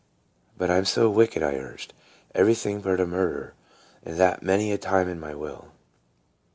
" But I 'm so wicked," I urged; "everything but a murderer, and that many a time in my will."